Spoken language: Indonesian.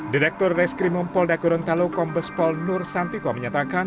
direktur reskrim umum polda gorontalo kombespol nur santiko menyatakan